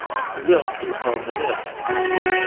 Lliɣ tqelqeɣ mliḥ.